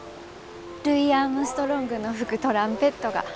ルイ・アームストロングの吹くトランペットが。